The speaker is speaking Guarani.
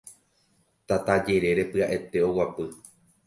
tata jerére pya'ete oguapy